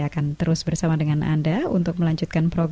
kota sion yang terindah